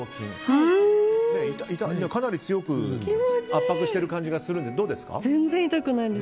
かなり強く圧迫してる感じがしますがどうですか？